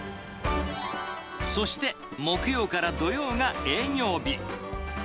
そして木曜から土曜が営業日。